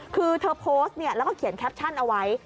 คือเธอโพสต์แล้วก็เขียนแคปชั่นเอาไว้